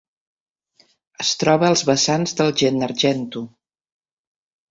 Es troba als vessants del Gennargentu.